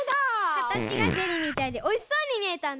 かたちがゼリーみたいでおいしそうにみえたんだ。